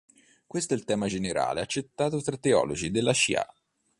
Questo è il tema generale accettato tra i teologi della Shīʿa.